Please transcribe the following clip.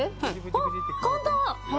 あっ、簡単！